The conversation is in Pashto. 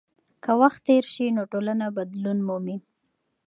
که وخت تېر سي نو ټولنه بدلون مومي.